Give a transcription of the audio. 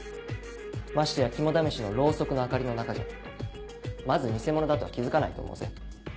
ましてや肝試しのロウソクの明かりの中じゃまず偽物だとは気付かないと思うぜ。